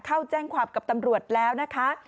เข้าแจ้งความกับตำรวจแล้วนะคะ